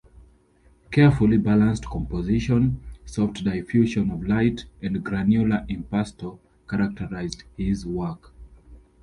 Carefully balanced composition, soft diffusion of light, and granular impasto characterize his work.